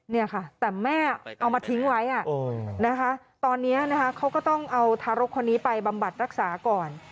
เนี่ยค่ะแต่แม่เอามาทิ้งไว้นะคะตอนนี้นะคะเขาก็ต้องเอาทารกคนนี้ไปบำบัดรักษาก่อน